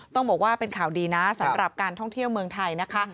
ต้องบอกว่าเป็นข่าวดีนะสำหรับการท่องเที่ยวเมืองไทยนะคะ